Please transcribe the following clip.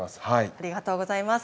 ありがとうございます。